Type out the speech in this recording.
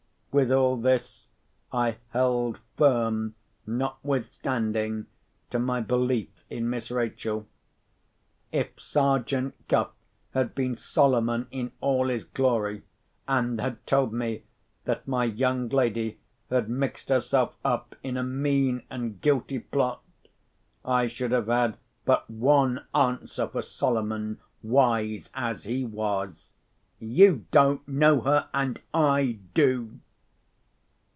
With all this, I held firm, notwithstanding, to my belief in Miss Rachel. If Sergeant Cuff had been Solomon in all his glory, and had told me that my young lady had mixed herself up in a mean and guilty plot, I should have had but one answer for Solomon, wise as he was, "You don't know her; and I do."